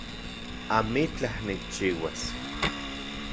Amitlaj nikchiuas